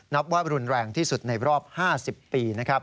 นับว่ารุนแรงที่สุดในรอบ๕๐ปี